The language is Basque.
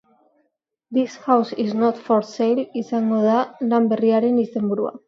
This house is not for sale izango da lan berriaren izenburua.